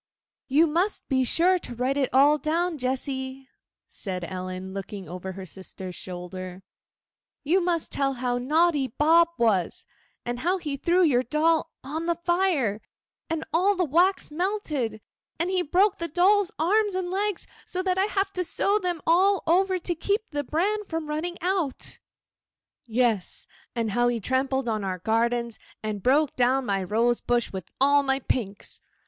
* 'You must be sure to write it all down, Jessy,' said Ellen, looking over her sister's shoulder: 'you must tell how naughty Bob was, and how he threw your doll on the fire, and all the wax melted, and that he broke my doll's arms and legs, so that I have had to sew them all over to keep the bran from running out.' [Illustration: 'YOU MUST BE SURE TO WRITE IT ALL DOWN.'] 'Yes—and how he trampled on our gardens, and broke down my rose bush and all my pinks.